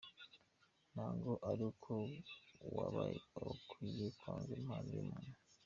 Ntago ari uko wagakwiye kwanga impano y’umuntu.